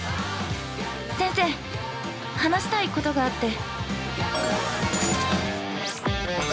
◆先生、話したいことがあって。